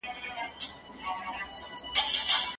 د تاريخ فلسفې له ټولنپوهنې سره څه مرسته وکړه؟